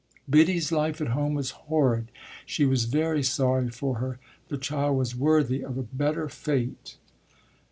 Biddy's life at home was horrid; she was very sorry for her the child was worthy of a better fate.